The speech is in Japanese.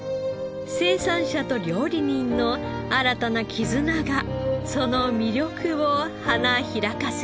生産者と料理人の新たな絆がその魅力を花開かせます。